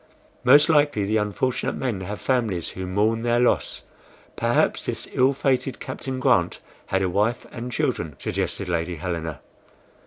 "Most likely the unfortunate men have families who mourn their loss. Perhaps this ill fated Captain Grant had a wife and children," suggested Lady Helena.